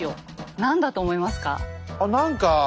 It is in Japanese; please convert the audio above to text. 何だと思いますか？